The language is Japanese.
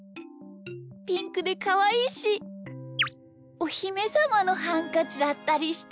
ピンクでかわいいしおひめさまのハンカチだったりして。